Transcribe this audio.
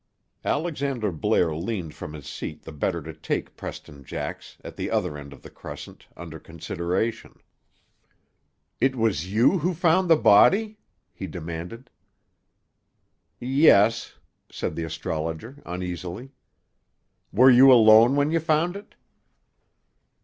Alexander Blair leaned from his seat the better to take Preston Jax, at the other end of the crescent, under consideration. "It was you who found the body?" he demanded. "Yes," said the astrologer uneasily. "Were you alone when you found it?"